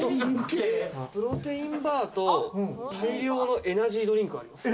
プロテインバーと、大量のエナジードリンクがあります。